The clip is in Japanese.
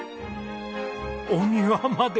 お庭まで！